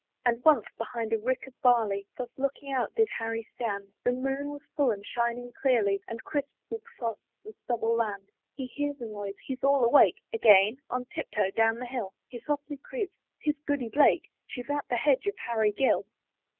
And once, behind a rick of barley, Thus looking out did Harry stand; The moon was full and shining clearly, And crisp with frost the stubble land. He hears a noise he's all awake Again? on tip toe down the hill He softly creeps 'Tis Goody Blake, She's at the hedge of Harry Gill.